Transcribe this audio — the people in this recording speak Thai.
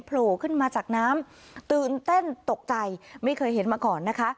โผล่ขึ้นมาจากน้ำตื่นเต้นตกใจไม่เคยเห็นมาก่อนนะคะ